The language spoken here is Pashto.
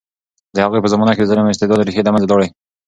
د هغوی په زمانه کې د ظلم او استبداد ریښې له منځه لاړې.